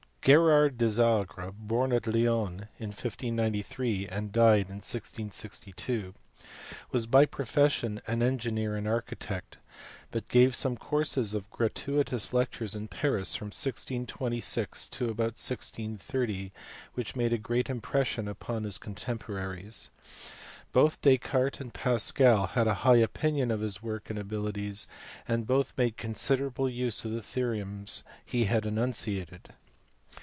Gerard Desargues, born at Lyons in 1593, and died in 1662, was by profession an engineer and architect, but he gave some courses of gratuitous lectures in Paris from 1626 to about 1630 which made a great impression upon his contemporaries. Both Descartes and Pascal had a high opinion of his work and abilities, and both made considerable use of the theorems he had enunciated.